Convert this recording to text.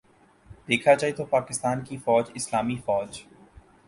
دیکھا جائے تو پاکستان کی فوج اسلامی فوج